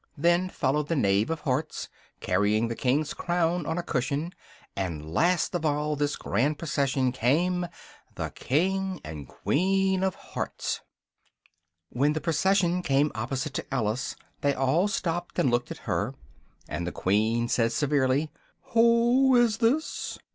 Then followed the Knave of Hearts, carrying the King's crown on a cushion, and, last of all this grand procession, came THE KING AND QUEEN OF HEARTS. When the procession came opposite to Alice, they all stopped and looked at her, and the Queen said severely "who is this?"